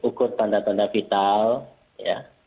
ukur tanda tanda vital ya